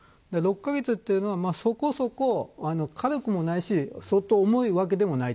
６カ月というのは、そこそこ軽くもないし相当重いわけでもない。